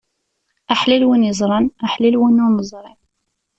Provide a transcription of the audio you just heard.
Aḥlil win iẓran, aḥlil win ur neẓri.